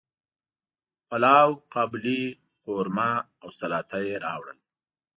پلاو، قابلی، قورمه او سلاطه یی راوړل